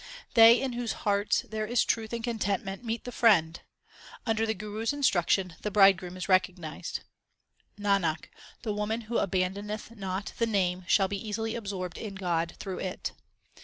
They in whose hearts there is truth and contentment, meet the Friend ; under the Guru s instruction the Bride groom is recognized. Nanak, the woman who abandoneth not the Name shall be easily absorbed in God through it.